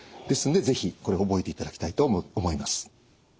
ですんで是非これ覚えていただきたいと思います。